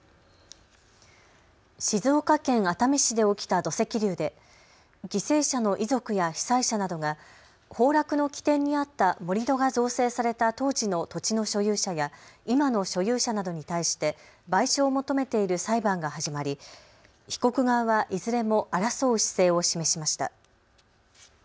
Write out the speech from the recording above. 静岡県熱海市で起きた土石流で犠牲者の遺族や被災者などが崩落の起点にあった盛り土が造成された当時の土地の所有者や今の所有者などに対して賠償を求めている裁判が始まり被告側はいずれも争う姿勢を示しました。